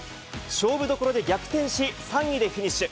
勝負どころで逆転し、３位でフィニッシュ。